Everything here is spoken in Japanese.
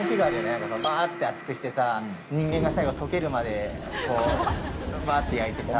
ばって熱くしてさ人間が最後溶けるまでこうばって焼いてさ。